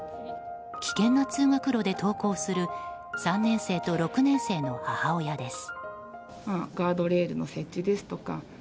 危険な通学路で登校する３年生と６年生の母親です。